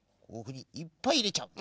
いっぱいいれちゃう。